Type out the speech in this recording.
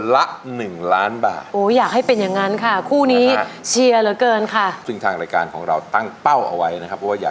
แล้วได้ไปทิ้งแล้วกันต่อในยกที่ห้า